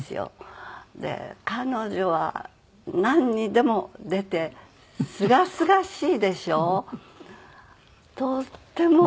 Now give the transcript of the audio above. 彼女はなんにでも出てすがすがしいでしょ。